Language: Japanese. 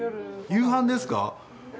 夕飯ですか？